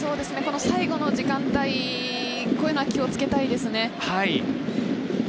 最後の時間帯、こういうのは気をつけたいですね。